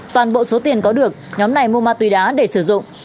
toàn bộ số tiền có được nhóm này mua ma túy đá để sử dụng